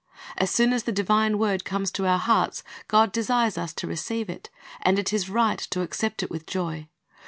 As soon as the divine word comes to our hearts, God desires us to receive it; and it is right to accept it with joy.